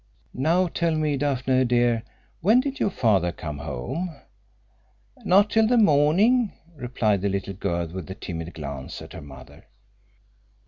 "Now, tell me, Daphne, dear, when did your father come home?" "Not till morning," replied the little girl, with a timid glance at her mother.